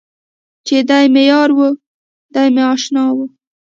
چې دی مې یار و، دی مې اشنا و.